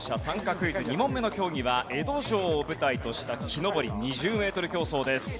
クイズ２問目の競技は江戸城を舞台とした木登り２０メートル競争です。